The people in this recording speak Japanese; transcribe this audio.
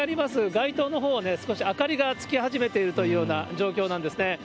街灯のほう、少し明かりがつき始めているような状況なんですね。